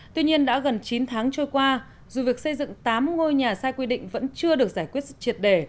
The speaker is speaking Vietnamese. tuy nhiên đã gần chín tháng trôi qua dù việc xây dựng tám ngôi nhà sai quy định vẫn chưa được giải quyết triệt đề